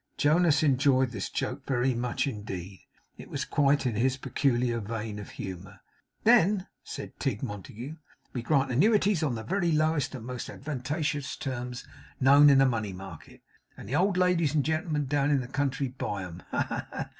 Jonas enjoyed this joke very much indeed. It was quite in his peculiar vein of humour. 'Then,' said Tigg Montague, 'we grant annuities on the very lowest and most advantageous terms known in the money market; and the old ladies and gentlemen down in the country buy 'em. Ha, ha, ha!